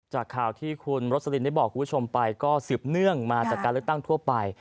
จากข่าวที่คุณรสลินได้บอกคุณผู้ชมไปก็สืบเนื่องมาจากการเลือกตั้งทั่วไป